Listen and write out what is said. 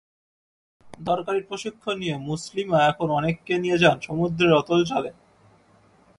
দরকারি প্রশিক্ষণ নিয়ে মুসলিমা এখন অনেককে নিয়ে যান সমুদ্রের অতল জলে।